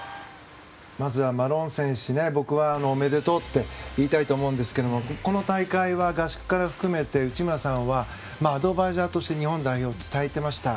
まずはマローン選手に僕はおめでとうって言いたいと思うんですけどもこの大会は合宿から含めて内村さんはアドバイザーとして日本代表に伝えていました。